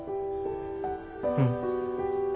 うん。